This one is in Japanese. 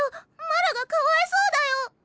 マルがかわいそうだよ！